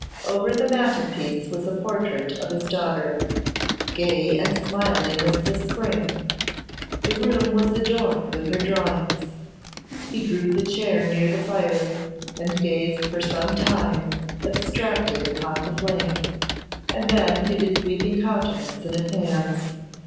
Over the mantel piece was a portrait of his daughter, gay and smiling as the spring; the room was adorned with her drawings. He drew the chair near the fire, and gazed for some time abstracted upon the flame, and then hid his weeping countenance in his hands.